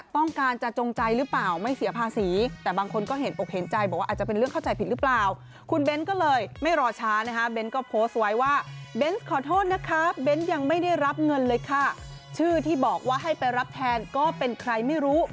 ถ้าจ่ายภาษีก็หลายบัตรอยู่